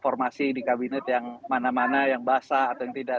formasi di kabinet yang mana mana yang basah atau yang tidak